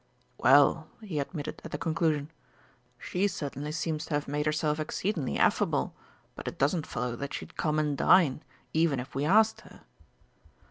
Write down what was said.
"Well," he admitted at the conclusion, "she certainly seems to have made herself exceedingly affable, but it doesn't follow that she'd come and dine, even if we asked her."